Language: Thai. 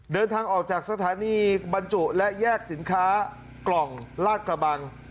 เดินทางออกจากสถานีบรรจุและแยกสินค้ากล่องลาดกระบัง